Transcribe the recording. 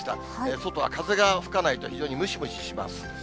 外は風が吹かないと、非常にムシムシします。